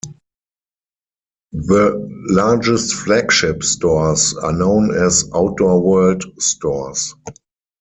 The largest flagship stores are known as Outdoor World stores.